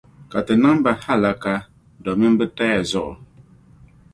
Ka ti niŋ ba hallaka domin bɛ taya zuɣu.